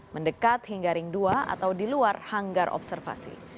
mendekat hingga ring dua atau di luar hanggar observasi